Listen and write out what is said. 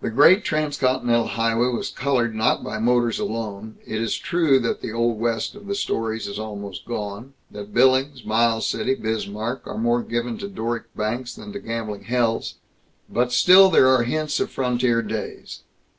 The Great Transcontinental Highway was colored not by motors alone. It is true that the Old West of the stories is almost gone; that Billings, Miles City, Bismarck, are more given to Doric banks than to gambling hells. But still are there hints of frontier days.